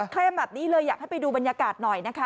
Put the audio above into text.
ลมแบบนี้เลยอยากให้ไปดูบรรยากาศหน่อยนะคะ